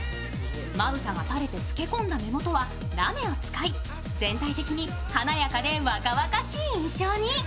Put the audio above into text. まぶたがたれて老け込んだ目元はラメを使い全体的に華やかで若々しい印象に。